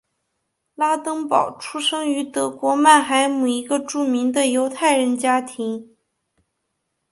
拉登堡出生于德国曼海姆一个著名的犹太人家庭。